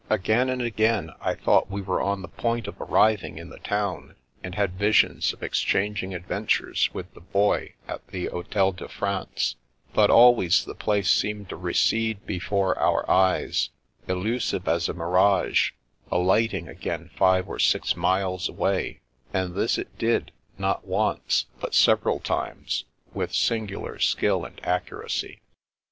Again and again I thought we were on the point of arriving in the town, and had visions of exchanging adventures with the Boy at the Hotel de France ; but always the place seemed to recede before our eyes, elusive as a mirage, alighting again five or six miles away ; and this it did, not once, but several times, with singular skill and accuracy.